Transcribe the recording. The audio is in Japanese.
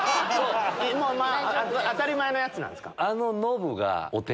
もう当たり前のやつなんですか？